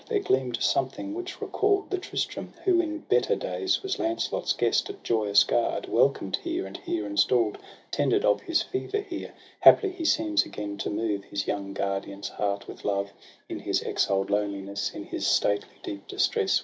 There gleam'd something, which recall'd The Tristram who in better days Was Launcelot's guest at Joyous Gard — Welcomed here, and here install'd, 200 TRISTRAM AND ISEULT, Tended of his fever here, Haply he seems again to move His young guardian's heart with love; In his exiled loneliness, In his stately, deep distress.